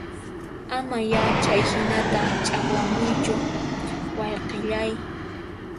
Ama ya chayhinata ch'aqwamuychu wayqillay